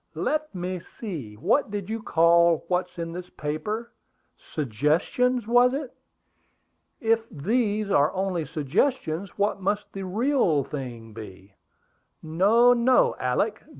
"Let me see, what did you call what's in this paper? Suggestions, was it? If these are only suggestions, what must the real thing be! No, no, Alick!